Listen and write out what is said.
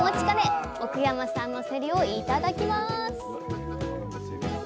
かね奥山さんのせりをいただきます！